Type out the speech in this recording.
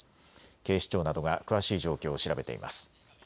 警視庁などが詳しい状況を調べています。